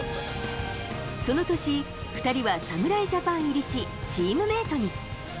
その年、２人は侍ジャパン入りし、チームメートに。